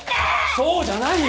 そうじゃないよ！